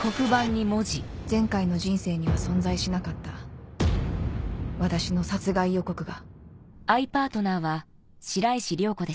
前回の人生には存在しなかった私の殺害予告が